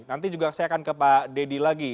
nanti juga saya akan ke pak deddy lagi